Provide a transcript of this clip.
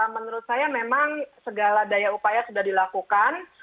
menurut saya memang segala daya upaya sudah dilakukan